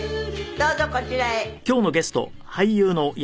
どうぞこちらへ。